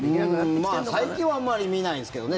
最近はあまり見ないですけどね。